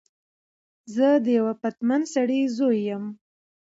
زه د یوه پتمن سړی زوی یم.